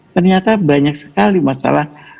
ternyata banyak sekali masalah